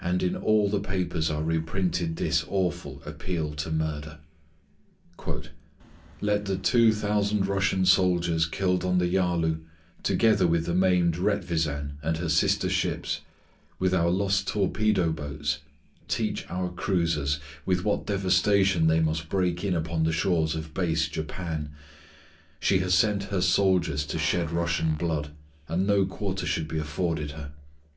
And in all the papers are reprinted this awful appeal to murder: "Let the two thousand Russian soldiers killed on the Yalu, together with the maimed Retvisan and her sister ships, with our lost torpedo boats, teach our cruisers with what devastation they must break in upon the shores of base Japan. She has sent her soldiers to shed Russian blood, and no quarter should be afforded her.